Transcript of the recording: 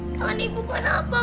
tangan ibu kenapa